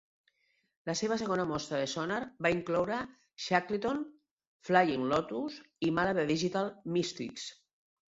La seva segona mostra de Sonar va incloure Shackleton, Flying Lotus i Mala de Digital Mystikz.